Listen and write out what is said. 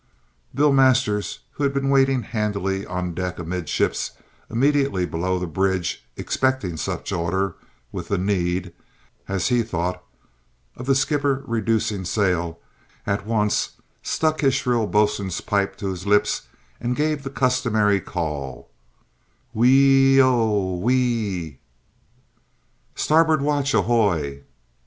Bill Masters, who had been waiting handy on the deck amidships, immediately below the bridge, expecting some such order with the need, as he thought, of the skipper reducing sail, at once stuck his shrill boatswain's pipe to his lips and gave the customary call: Whee ee oo oo whee ee ee. "Starboard watch, ahoy!"